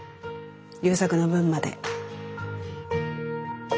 優作の分まで。